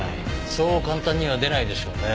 そう簡単には出ないでしょうね。